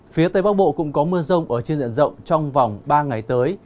phía tây bắc bộ cũng có mưa rông ở trên diện rộng trong vòng ba ngày tới